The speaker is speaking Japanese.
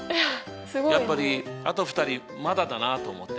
やっぱりあと２人まだだなと思って。